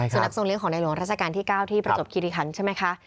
สุนัขทรงเลี้ยของในหลวงราชการที่๙ที่ประจบคิริคันใช่ไหมคะ